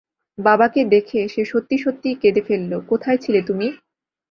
বাবাকে দেখে সে সত্যি-সত্যি কেঁদে ফেলল, কোথায় ছিলে তুমি?